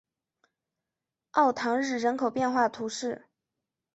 奥唐日人口变化图示